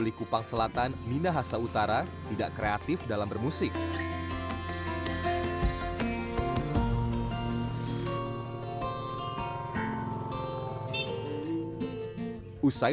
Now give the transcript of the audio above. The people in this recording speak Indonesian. lakukan setengah mengangkatcano bonsai